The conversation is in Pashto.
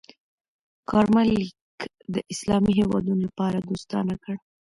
کارمل لیک د اسلامي هېوادونو لپاره دوستانه کړ.